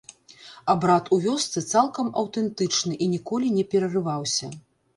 Абрад у вёсцы цалкам аўтэнтычны і ніколі не перарываўся.